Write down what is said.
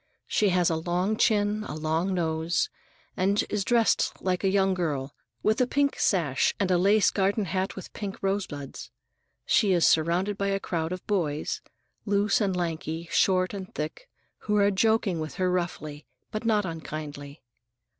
She has a long chin, a long nose, and she is dressed like a young girl, with a pink sash and a lace garden hat with pink rosebuds. She is surrounded by a crowd of boys,—loose and lanky, short and thick,—who are joking with her roughly, but not unkindly.